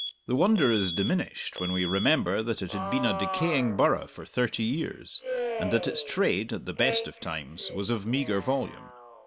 The wonder is diminished when we remember that it had been a decaying burgh for thirty years, and that its trade, at the best of times, was of meagre volume.